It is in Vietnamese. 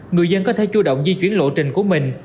người dân có thể chủ động di chuyển lộ trình của mình